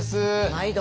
毎度。